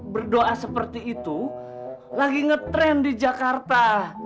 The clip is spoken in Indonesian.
berdoa seperti itu lagi ngetrend di jakarta